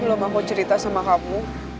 belum aku cerita sama kamu